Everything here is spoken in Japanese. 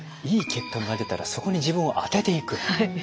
いい結果が出たらそこに自分を当てていく。